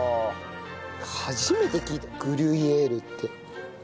初めて聞いたグリュイエールって。